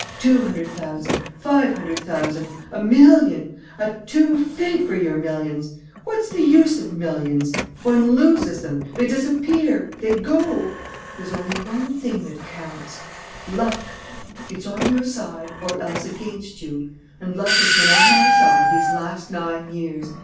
Two hundred thousand! Five hundred thousand! A million! A two fig for your millions! What's the use of millions? One loses them. They disappear.... They go.... There's only one thing that counts: luck. It's on your side or else against you. And luck has been on my side these last nine years.